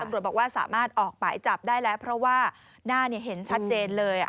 บอกว่าสามารถออกหมายจับได้แล้วเพราะว่าหน้าเห็นชัดเจนเลย